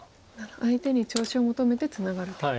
相手に調子を求めてツナがる手。